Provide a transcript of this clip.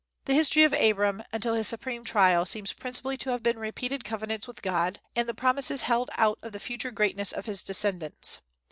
The history of Abram until his supreme trial seems principally to have been repeated covenants with God, and the promises held out of the future greatness of his descendants.